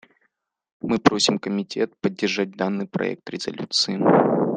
Мы просим Комитет поддержать данный проект резолюции.